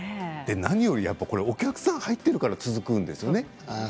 何よりもお客さんが入っているから続くんですよね。